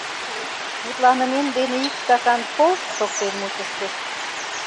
Мутланымем дене ик стакан полт шоктен мучыштыш.